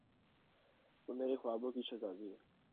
وہ میرے خوابوں کی شہزادی ہے۔